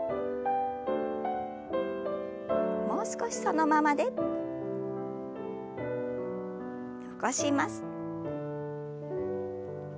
もう少しそのままで。起こします。